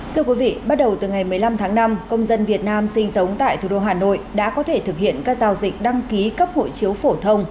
thưa quý vị bắt đầu từ ngày một mươi năm tháng năm công dân việt nam sinh sống tại thủ đô hà nội đã có thể thực hiện các giao dịch đăng ký cấp hộ chiếu phổ thông